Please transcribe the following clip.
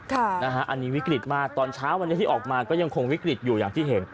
อันนี้วิกฤตมากตอนเช้าวันนี้ที่ออกมาก็ยังคงวิกฤตอยู่อย่างที่เห็น